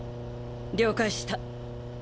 了解した！